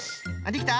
できた？